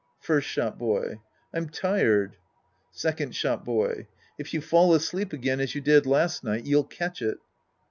First Shop boy. I'm tired. Second Shop boy. If you fall asleep again as you did last night, you'll catch it.